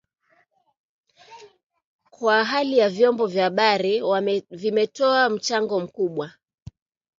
Kwa hali hii vyombo vya habari vimetoa mchango mkubwa